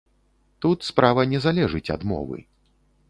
Тут справа не залежыць ад мовы.